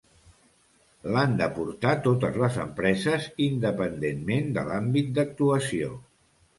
L'han d'aportar totes les empreses, independentment de l'àmbit d'actuació.